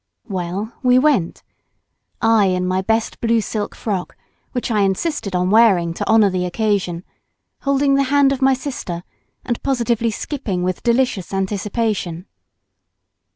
Well, we went—I in my best blue silk frock, which I insisted on wearing to honour the occasion, holding the hand of my sister and positively skipping with delicious anticipation.